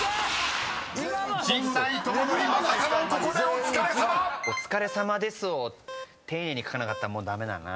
「おツカれさまです」を丁寧に書かなかったらもう駄目だな。